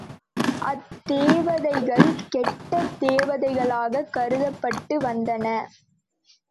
அத்தேவதைகள் கெட்ட தேவதைகளாகக் கருதப்பட்டு வந்தன.